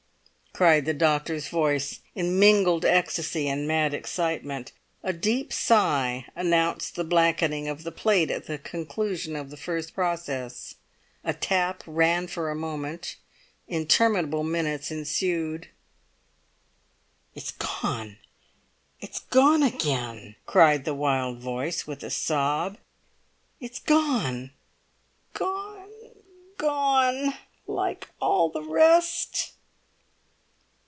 cried the doctor's voice in mingled ecstasy and mad excitement. A deep sigh announced the blackening of the plate at the conclusion of the first process. A tap ran for a moment; interminable minutes ensued. "It's gone! It's gone again!" cried the wild voice, with a sob; "it's gone, gone, gone like all the rest!"